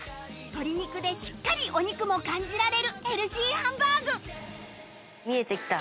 鶏肉でしっかりお肉も感じられるヘルシーハンバーグ見えてきた。